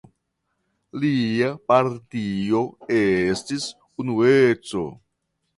Lia partio estis Unueco.